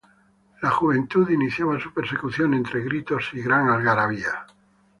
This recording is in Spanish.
La juventud iniciaban su persecución entre gritos y gran algarabía.